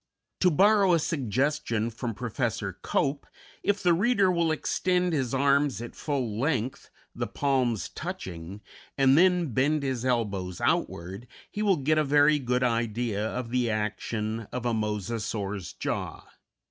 To borrow a suggestion from Professor Cope, if the reader will extend his arms at full length, the palms touching, and then bend his elbows outward he will get a very good idea of the action of a Mosasaur's jaw.